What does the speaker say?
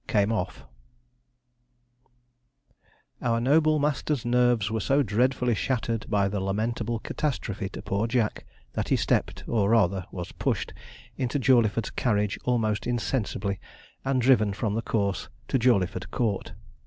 CAME OFF Our noble master's nerves were so dreadfully shattered by the lamentable catastrophe to poor Jack, that he stepped, or rather was pushed, into Jawleyford's carriage almost insensibly, and driven from the course to Jawleyford Court.